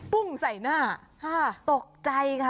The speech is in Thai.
พุ่งใส่หน้าตกใจค่ะ